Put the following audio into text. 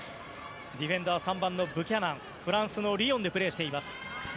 ディフェンダー３番のブキャナンフランスのリヨンでプレーしています。